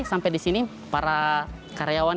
sampai di sini para karyawan